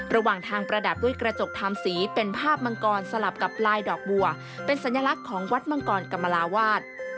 ระหว่างทางประดับด้วยกระจกไทมสีเป็นภาพมังกรสลับกับลายดอกบัวเป็นสัญลักษณ์ของวัดมังกรกรรมลาวาส